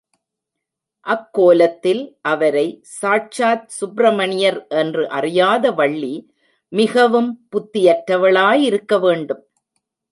அக் கோலத்தில் அவரை சாட்சாத் சுப்பிரமணியர் என்று அறியாத வள்ளி மிகவும் புத்தியற்றவளாய் இருக்க வேண்டும்!